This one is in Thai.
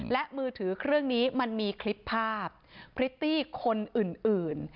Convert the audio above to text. และมือถือเครื่องนี้มันมีคลิปภาพพริตตี้คนอื่น